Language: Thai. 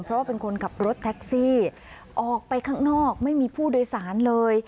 เพราะว่าเป็นคนขับรถแท็กซี่ออกไปข้างนอกไม่มีผู้โดยสารเลย